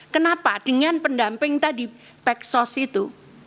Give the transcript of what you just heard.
kenapa dengan pendamping tadi peksos itu